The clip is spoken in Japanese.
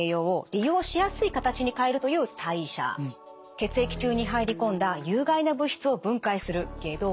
血液中に入り込んだ有害な物質を分解する解毒。